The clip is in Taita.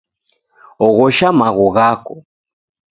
Oghosha maghu ghako